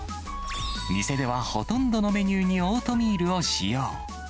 店ではほとんどのメニューにオートミールを使用。